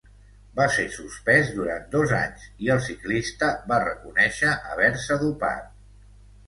Va ser suspès durant dos anys i el ciclista va reconèixer haver-se dopat.